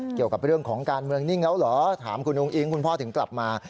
เกี่ยวกับเรื่องของการเมืองนิ่งแล้วเหรอถามคุณอุ้งอิ๊งคุณพ่อถึงกลับมา